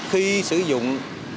khi sử dụng